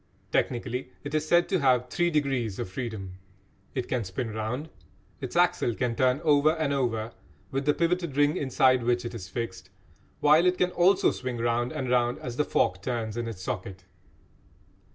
Technically, it is said to have "three degrees of freedom." It can spin round, its axle can turn over and over with the pivoted ring inside which it is fixed, while it can also swing round and round as the fork turns in its socket.